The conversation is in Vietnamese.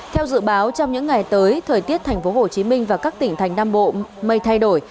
theo dự báo trong những ngày tới thời tiết tp hcm và các tỉnh thành nam bộ mây thay đổi